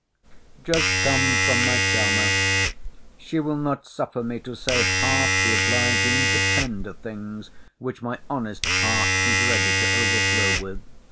Just come from my charmer. She will not suffer me to say half the obliging, the tender things, which my honest heart is ready to overflow with.